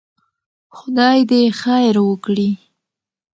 خدای دې خير وکړي.